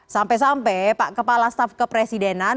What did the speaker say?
sampai sampai pak kepala staf kepresidenan